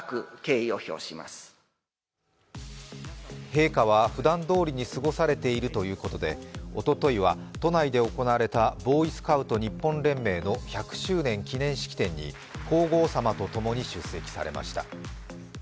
陛下はふだんどおりに過ごされているということで、おとといは都内で行われたボーイスカウト日本連盟１００周年記念式典に皇后さまと共に出席されました。